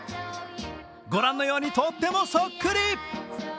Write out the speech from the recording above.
ご覧のように、とってもそっくり。